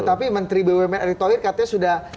tapi menteri bumn erick thohir katanya sudah